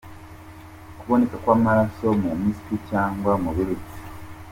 Kuboneka kw’amaraso mu mpiswi cyangwa mu birutsi.